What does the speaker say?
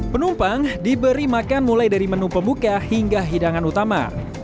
penumpang diberi makan mulai dari menu pembuka hingga hidangan utama